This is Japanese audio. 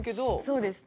そうです。